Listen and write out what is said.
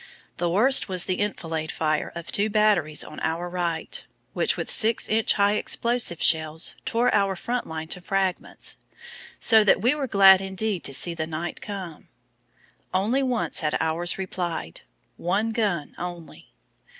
The worst was the enfilade fire of two batteries on our right which with six inch high explosive shells tore our front line to fragments so that we were glad indeed to see the night come. Only once had ours replied, one gun only.